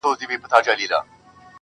د څېرمه سیمې د ټیکاو